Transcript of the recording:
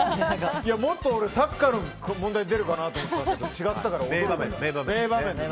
もっとサッカーの問題出るかと思ったけど違ったから驚いてて。